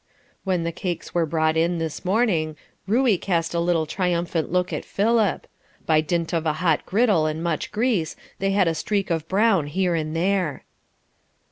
When the cakes were brought in this morning, Ruey cast a little triumphant look at Philip. By dint of a hot griddle and much grease they had a streak of brown here and there.